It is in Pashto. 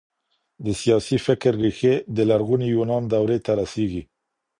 د سياسي فکر ريښې د لرغوني يونان دورې ته رسېږي.